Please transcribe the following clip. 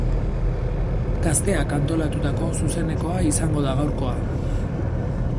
Gazteak antolatutako zuzenekoa izango da gaurkoa.